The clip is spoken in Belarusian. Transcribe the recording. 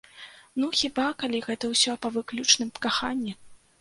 Ну, хіба, калі гэта ўсё па выключным каханні.